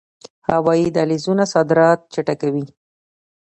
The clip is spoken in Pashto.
هوایی دهلیزونه صادرات چټکوي